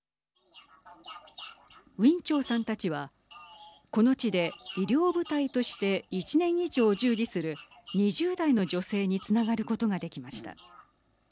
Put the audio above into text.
ウィン・チョウさんたちはこの地で医療部隊として１年以上従事する２０代の女性につながることができました。